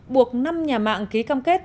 buộc năm nhà mạng ký cam kết